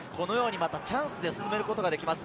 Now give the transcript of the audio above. チャンスで進めることができます。